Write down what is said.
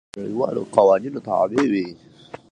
ډيپلومات د نړیوالو قوانینو تابع وي.